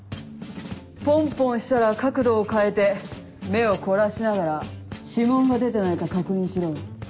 ポンポンしたら角度を変えて目を凝らしながら指紋が出てないか確認しろ。